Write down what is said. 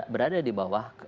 berada di bawah